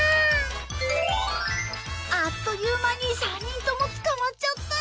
あっという間に３人とも捕まっちゃった。